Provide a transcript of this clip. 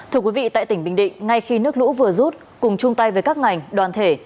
thưa quý vị tại tỉnh bình định ngay khi nước lũ vừa rút cùng chung tay với các ngành đoàn thể